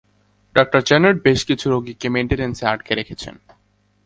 Doctor Chanard বেশ কিছু রোগীকে মেইনটেন্যান্সে আটকে রেখেছেন।